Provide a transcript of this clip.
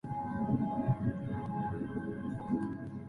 Este parentesco es usualmente expresados como sigue.